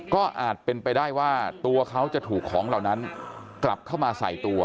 ก็อาจเป็นไปได้ว่าตัวเขาจะถูกของเหล่านั้นกลับเข้ามาใส่ตัว